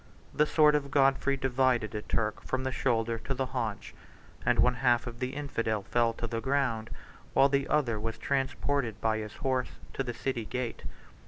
The sword of Godfrey 91 divided a Turk from the shoulder to the haunch; and one half of the infidel fell to the ground, while the other was transported by his horse to the city gate.